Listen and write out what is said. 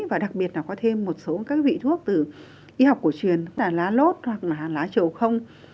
và đặc biệt là có thêm một số các vị thuốc từ y học cổ truyền tức là lá lốt hoặc là lá trầu không